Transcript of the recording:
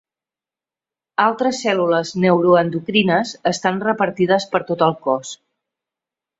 Altres cèl·lules neuroendocrines estan repartides per tot el cos.